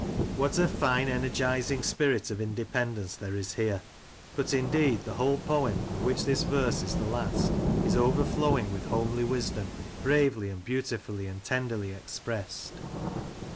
What a fine energizing spirit of independence there is here ! But, indeed, the whole poem, of which this verse is the last, is overflowing with homely wisdom, bravely, and beautifully, and tenderly expressed.